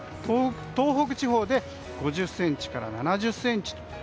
東北地方で５０ｃｍから７０ｃｍ。